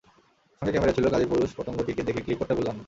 সঙ্গে ক্যামেরা ছিল, কাজেই পুরুষ পতঙ্গটিকে দেখে ক্লিক করতে ভুললাম না।